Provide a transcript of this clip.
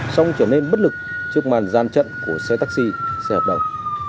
xong trở nên bất lực trước màn gian trận của xe taxi xe hợp đồng